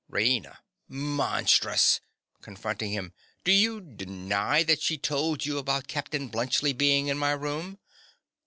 RAINA. Monstrous! (Confronting him.) Do you deny that she told you about Captain Bluntschli being in my room?